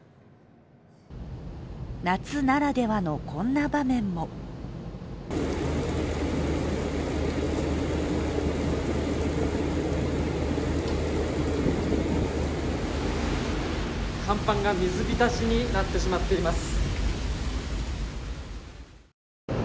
夏ならではの、こんな場面も甲板が水浸しになってしまっています。